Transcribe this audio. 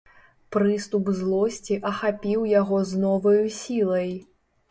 Прыступ злосці ахапіў яго з новаю сілай.